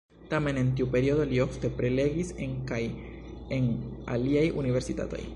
Tamen en tiu periodo li ofte prelegis en kaj en aliaj universitatoj.